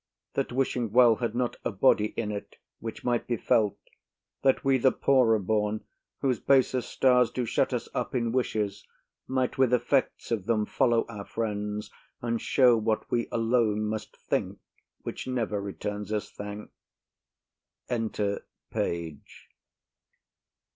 That wishing well had not a body in't Which might be felt, that we, the poorer born, Whose baser stars do shut us up in wishes, Might with effects of them follow our friends, And show what we alone must think, which never Returns us thanks. Enter a Page.